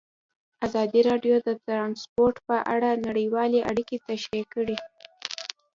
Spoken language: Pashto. ازادي راډیو د ترانسپورټ په اړه نړیوالې اړیکې تشریح کړي.